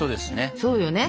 そうよね。